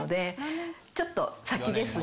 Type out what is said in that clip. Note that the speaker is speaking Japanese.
ちょっと先ですが。